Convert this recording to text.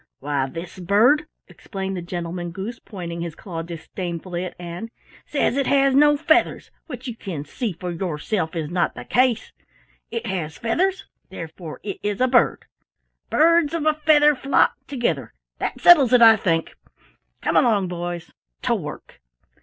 "Why, this bird," explained the Gentleman Goose, pointing his claw disdainfully at Ann, "says it has no feathers, which you can see for yourself is not the case. It has feathers, therefore it is a bird. Birds of a feather flock together. That settles it, I think! Come along, boys. To work!"